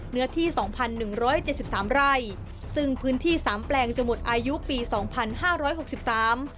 เนื้อที่สองพันหนึ่งร้อยเจ็ดสิบสามไร่ซึ่งพื้นที่สามแปลงจะหมดอายุปีสองพันห้าร้อยหกสิบสาม